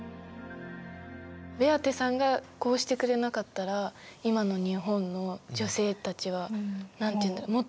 ベアテさんがこうしてくれなかったら今の日本の女性たちは何て言うんだろう